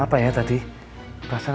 kalau mami udah tidur lo balik ke kamar lo